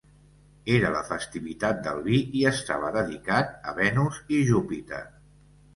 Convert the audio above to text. Era la festivitat del vi i estava dedicat a Venus i Júpiter.